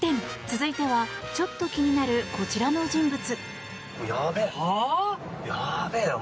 続いてはちょっと気になるこちらの人物。